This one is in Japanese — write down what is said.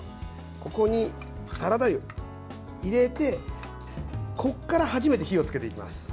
ここにサラダ油を入れてここから初めて火をつけていきます。